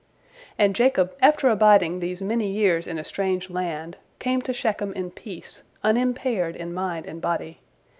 And Jacob, after abiding these many years in a strange land, came to Shechem in peace, unimpaired in mind and body.